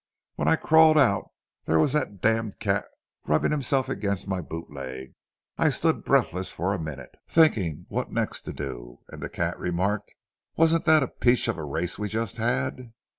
When I crawled out there was that d——d cat rubbing himself against my boot leg. I stood breathless for a minute, thinking what next to do, and the cat remarked: 'Wasn't that a peach of a race we just had!'